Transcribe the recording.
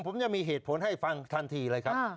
ผมยังมีเหตุผลให้ฟังทันทีเลยครับ